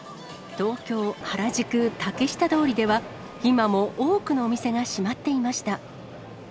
東京・原宿竹下通りでは、今も多くのお店が閉まっていました。